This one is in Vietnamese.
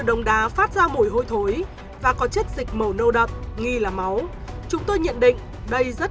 đồng đá phát ra mùi hôi thối và có chất dịch màu nâu đậm nghi là máu chúng tôi nhận định đây rất